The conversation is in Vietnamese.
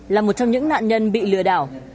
là một trong những nạn nhân bị lừa đảo